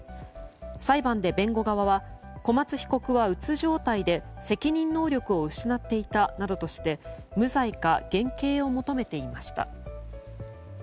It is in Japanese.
裁判で弁護側は小松被告は、うつ状態で責任能力を失っていたなどとして無罪か減刑を求めていました。